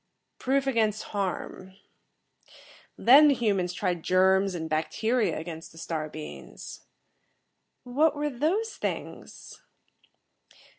"Proof against harm. Then the humans tried germs and bacteria against the star beings." "What were those things?"